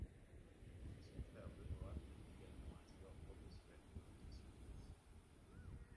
Son frère Benoit est également un joueur professionnel de hockey sur glace.